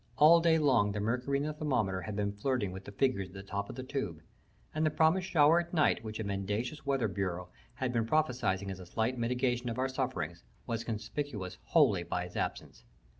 All day long the mercury in the thermometer had been flirting with the figures at the top of the tube, and the promised shower at night which a mendacious Weather Bureau had been prophesying as a slight mitigation of our sufferings was conspicuous wholly by its absence.